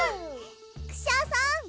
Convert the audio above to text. クシャさん。